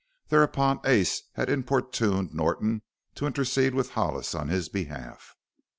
Thereupon Ace had importuned Norton to intercede with Hollis on his behalf.